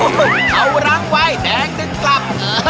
โอ้เอาร้างวายแตกดึกกลับ